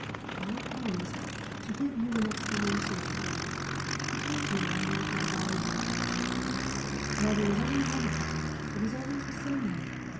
"I promised to give you an explanation to day to take you on one of my long walks. Well, there is only one of them. It is always the same.